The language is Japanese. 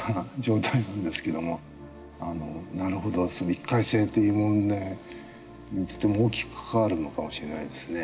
一回性という問題にとても大きく関わるのかもしれないですね。